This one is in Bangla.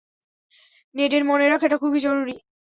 নেডের মনে রাখাটা খুবই জরুরি।